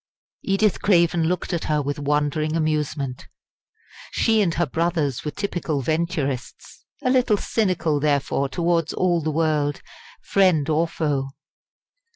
Edith Craven looked at her with wondering amusement. She and her brothers were typical Venturists a little cynical, therefore, towards all the world, friend or foe.